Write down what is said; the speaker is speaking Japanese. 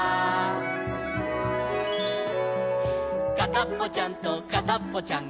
「かたっぽちゃんとかたっぽちゃん